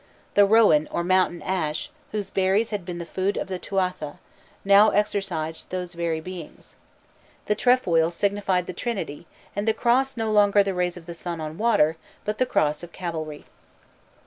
The rowan, or mountain ash, whose berries had been the food of the Tuatha, now exorcised those very beings. The trefoil signified the Trinity, and the cross no longer the rays of the sun on water, but the cross of Calvary.